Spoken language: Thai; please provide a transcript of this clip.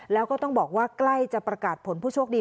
แล้วก็ต้องบอกว่าใกล้จะประกาศผลผู้โชคดี